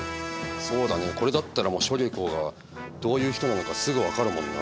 そうだねこれだったらもうしょげこがどういう人なのかすぐ分かるもんな。